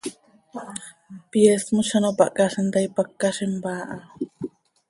Pyeest mos z ano pahcaalim ta, ipacta z impaa ha.